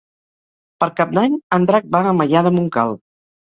Per Cap d'Any en Drac va a Maià de Montcal.